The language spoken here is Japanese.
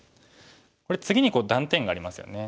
これ次に断点がありますよね。